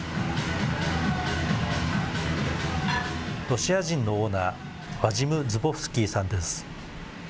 ロシア人のオーナー、ワジム・ズボフスキーさんです。